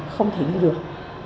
không thể đi được